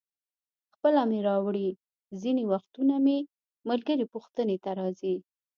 خپله مې راوړي، ځینې وختونه مې ملګري پوښتنې ته راځي.